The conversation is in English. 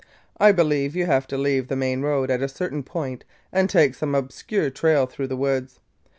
I believe you have to leave the main road at a certain point and take some obscure trail through the woods.